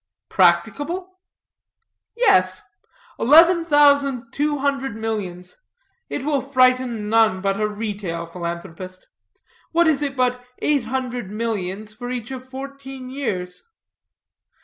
"Practicable?" "Yes. Eleven thousand two hundred millions; it will frighten none but a retail philanthropist. What is it but eight hundred millions for each of fourteen years?